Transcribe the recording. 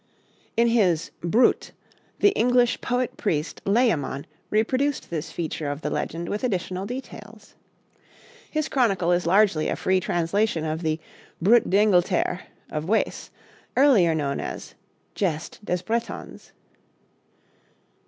In his 'Brut,' the English poet priest Layamon reproduced this feature of the legend with additional details. His chronicle is largely a free translation of the 'Brut d'Engleterre' of Wace, earlier known as 'Geste des Bretons.'